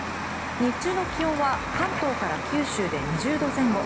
日中の気温は関東から九州で２０度前後。